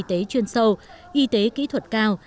các trung tâm y tế chuyên sâu y tế kỹ thuật cao